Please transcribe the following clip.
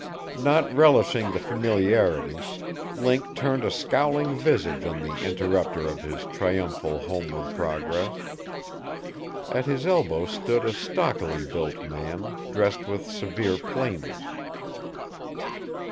Not relishing the familiarity, Link turned a scowling visage on the interrupter of his triumphal homeward progress. At his elbow stood a stockily built man, dressed with severe plainness.